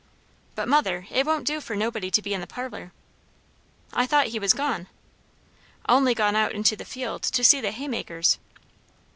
"But, mother, it won't do for nobody to be in the parlour." "I thought he was gone?" "Only gone out into the field to see the haymakers."